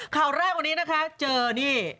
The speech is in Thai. ข่าวแรกวันนี้นะคะเจอนี่